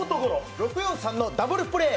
６、４、３のダブルプレー。